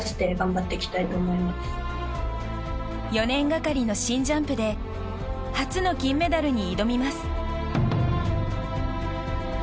４年がかりの新ジャンプで初の金メダルに挑みます。